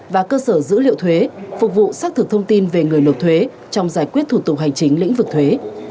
và cơ sở dữ liệu thuế phục vụ xác thực thông tin về người nộp thuế trong giải quyết thủ tục hành chính lĩnh vực thuế